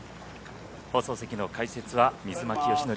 放送席の解説は水巻善典